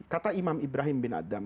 kata imam ibrahim bin adam